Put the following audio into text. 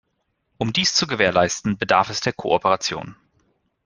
Um dies zu gewährleisten, bedarf es der Kooperation.